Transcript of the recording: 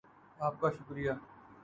آپ کا شکریہ